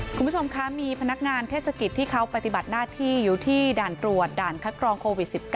คุณผู้ชมคะมีพนักงานเทศกิจที่เขาปฏิบัติหน้าที่อยู่ที่ด่านตรวจด่านคัดกรองโควิด๑๙